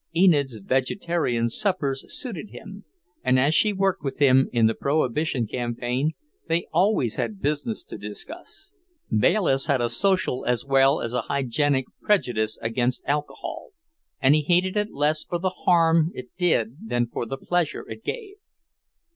Enid's vegetarian suppers suited him, and as she worked with him in the Prohibition campaign, they always had business to discuss. Bayliss had a social as well as a hygienic prejudice against alcohol, and he hated it less for the harm it did than for the pleasure it gave.